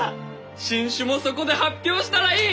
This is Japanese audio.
新種もそこで発表したらいい！